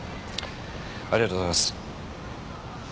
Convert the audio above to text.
ありがとうございます。